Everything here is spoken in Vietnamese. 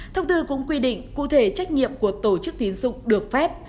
thông tư cũng quy định cụ thể trách nhiệm của tổ chức tín dụng được phép